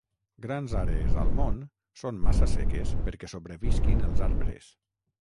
Grans àrees al món són massa seques perquè sobrevisquin els arbres.